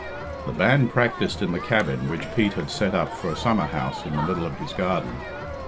The band practised in the cabin which Pete had set up for a summer house in the middle of his garden.